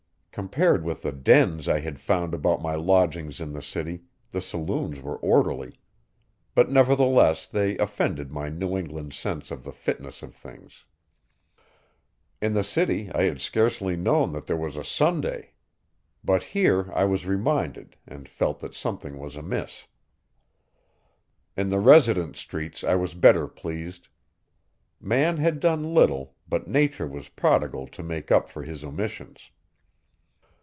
Compared with the dens I had found about my lodgings in the city, the saloons were orderly; but nevertheless they offended my New England sense of the fitness of things. In the city I had scarcely known that there was a Sunday. But here I was reminded, and felt that something was amiss. In the residence streets I was better pleased. Man had done little, but nature was prodigal to make up for his omissions.